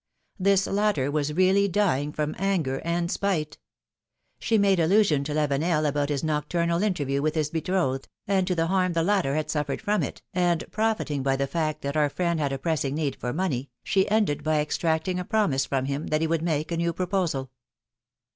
This latter was really dying from anger and spite. She made allusion to Lavenel about his nocturnal interview with his betrothed, and to the harm the latter had suffered from it, and profiting by the fact that our friend had a pressing need for money, she ended by extracting a promise from him that he would make a new proposal.